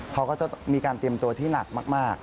เขาก็จะมีการเตรียมตัวที่หนักมาก